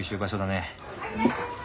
ねっ。